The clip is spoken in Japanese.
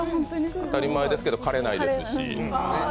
当たり前ですけど枯れないですし。